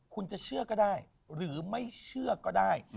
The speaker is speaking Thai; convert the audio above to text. คุณจะเชื่อก็ได้หรือไม่เชื่อก็ได้